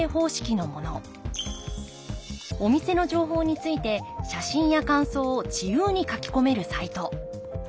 お店の情報について写真や感想を自由に書き込めるサイト。